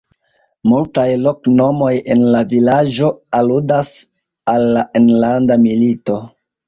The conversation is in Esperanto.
Multaj loknomoj en la vilaĝo aludas al la enlanda milito.